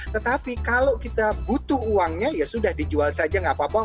tetapi kalau kita butuh uangnya ya sudah dijual saja nggak apa apa